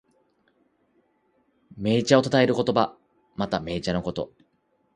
銘茶をたたえる言葉。また、銘茶のこと。